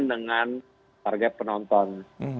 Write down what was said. dengan target penonton